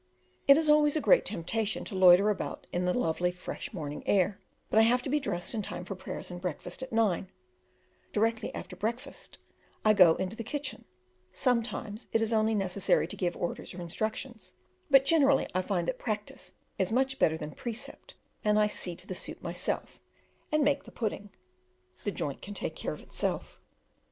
It is always a great temptation to loiter about in the lovely fresh morning air, but I have to be dressed in time for prayers and breakfast at nine; directly after breakfast I go into the kitchen; sometimes, it is only necessary to give orders or instructions, but generally I find that practice is much better than precept, and I see to the soup myself, and make the pudding the joint can take care of itself.